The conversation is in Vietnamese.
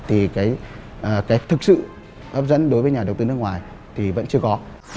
thì cái thực sự hấp dẫn đối với nhà đầu tư nước ngoài thì vẫn chưa có